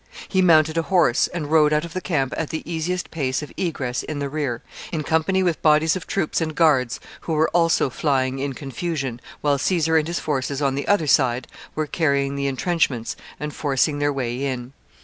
He mounted a horse and rode out of the camp at the easiest place of egress in the rear, in company with bodies of troops and guards who were also flying in confusion, while Caesar and his forces on the other side were carrying the intrenchments and forcing their way in.